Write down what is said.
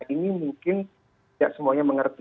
ini mungkin tidak semuanya mengerti